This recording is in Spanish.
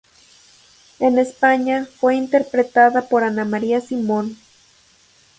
En España fue interpretada por Ana María Simón.